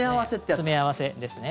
詰め合わせですね。